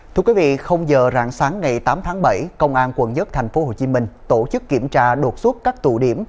thưa quý vị không giờ rạng sáng ngày tám bảy công an quận nhất tp hcm tổ chức kiểm tra đột xuất các tụ điểm